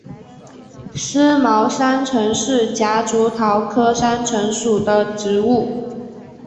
思茅山橙是夹竹桃科山橙属的植物。